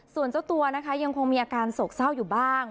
ส่วนเจ้าตัวนะคะยังคงมีอาการโศกเศร้าอยู่บ้าง